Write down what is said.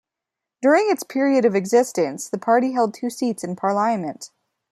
During its period of existence, the party held two seats in Parliament.